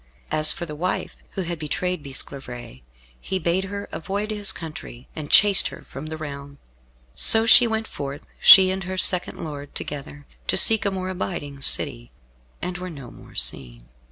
As for the wife who had betrayed Bisclavaret, he bade her avoid his country, and chased her from the realm. So she went forth, she and her second lord together, to seek a more abiding city, and were no more seen.